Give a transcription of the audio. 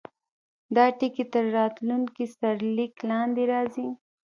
دا ټکی تر راتلونکي سرلیک لاندې راځي.